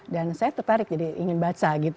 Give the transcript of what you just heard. dan saya tertarik ingin baca